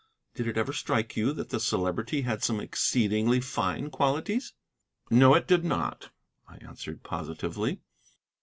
Did it ever strike you that the Celebrity had some exceedingly fine qualities?" "No, it did not," I answered positively.